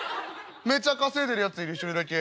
めっちゃ稼いでるやついる１人だけ。